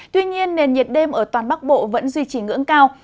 tuy nhiên nền nhiệt đêm ở toàn bắc bộ vẫn duy trì ngưỡng cao